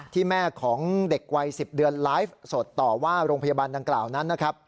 ที่แม่ของเด็กวัย๑๐เดือนไลฟ์สดต่อว่าโรงพยาบาลดังกล่าวนั้นนะครับ